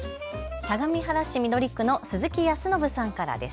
相模原市緑区の鈴木保信さんからです。